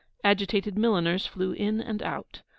Agitated milliners flew in and out.